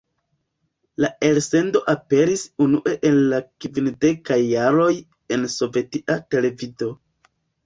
La elsendo aperis unue en la kvindekaj jaroj en sovetia televido.